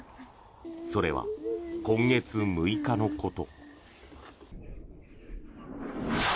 それは今月６日のこと。